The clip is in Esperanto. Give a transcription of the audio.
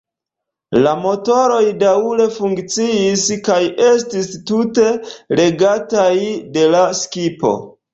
La motoroj daŭre funkciis kaj estis tute regataj de la skipo.